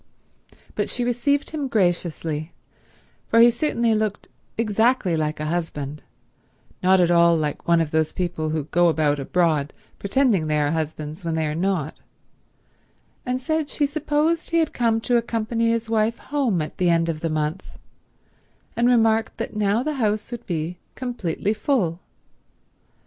But she received him graciously, for he certainly looked exactly like a husband, not at all like one of those people who go about abroad pretending they are husbands when they are not, and said she supposed he had come to accompany his wife home at the end of the month, and remarked that now the house would be completely full.